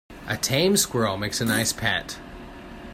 A tame squirrel makes a nice pet.